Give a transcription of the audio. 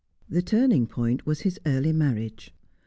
The turning point was his early marriage.